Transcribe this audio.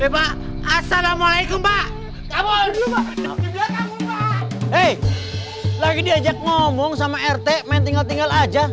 pak assalamualaikum pak kamu dulu pak hai lagi diajak ngomong sama rt main tinggal tinggal aja